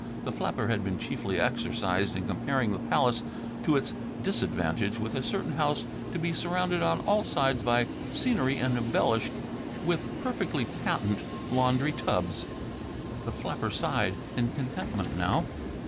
The flapper had been chiefly exercised in comparing the palace, to its disadvantage, with a certain house to be surrounded on all sides by scenery and embellished with perfectly patent laundry tubs. The flapper sighed in contentment, now.